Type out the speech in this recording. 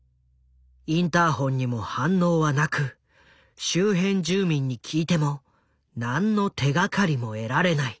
インターホンにも反応はなく周辺住民に聞いても何の手がかりも得られない。